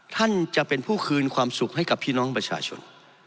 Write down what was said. ท่านจะเป็นผู้คืนความสุขให้กับพี่น้องประชาชน